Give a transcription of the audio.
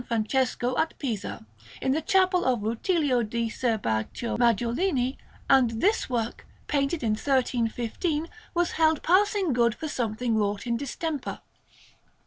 Francesco at Pisa, in the Chapel of Rutilio di Ser Baccio Maggiolini; and this work, painted in 1315, was held passing good for something wrought in distemper.